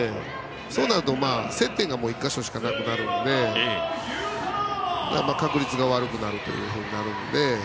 そうなると接点が１か所しかなくなるので確率が悪くなるということになるので。